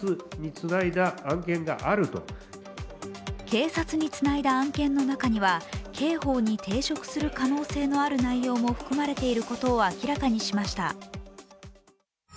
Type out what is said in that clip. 警察につないだ案件の中には刑法に抵触する可能性のある内容も含まれていることを明らかにしました。